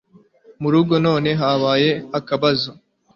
Murugo na nonehabaye akabazo